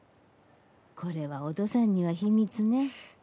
これはお父さんにはヒミツね